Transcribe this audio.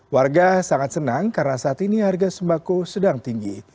warga sangat senang karena saat ini harga sembako sedang tinggi